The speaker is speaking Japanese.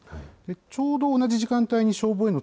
ちょうど同じ時間帯に、消防への